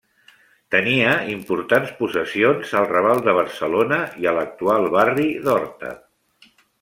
Tenia importants possessions al Raval de Barcelona i a l'actual barri d'Horta.